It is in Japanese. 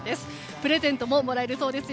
プレゼントももらえるそうです。